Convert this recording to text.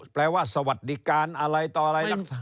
แปลว่าสวัสดิการอะไรต่ออะไรรักษา